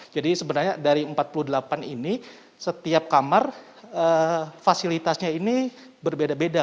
jadi sebenarnya dari empat puluh delapan ini setiap kamar fasilitasnya ini berbeda beda